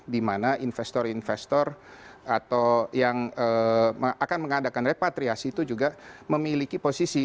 di mana investor investor atau yang akan mengadakan repatriasi itu juga memiliki posisi